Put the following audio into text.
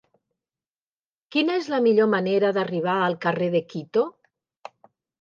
Quina és la millor manera d'arribar al carrer de Quito?